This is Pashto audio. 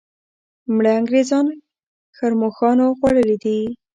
مړه انګریزان ښرموښانو خوړلي دي.